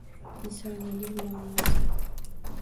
Insoniylik muammosi